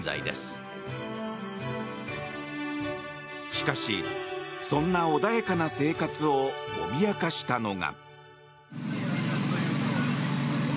しかし、そんな穏やかな生活を脅かしたのが。